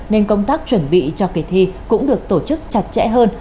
nên công tác chuẩn bị cho kỳ thi cũng được tổ chức chặt chẽ hơn